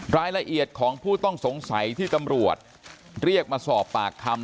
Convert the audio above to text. รายละเอียดของผู้ต้องสงสัยที่ตำรวจเรียกมาสอบปากคำ